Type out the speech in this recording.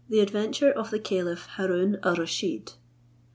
ADVENTURE OF THE CALIPH HAROON AL RUSHEED.